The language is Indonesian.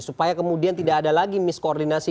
supaya kemudian tidak ada lagi miskoordinasi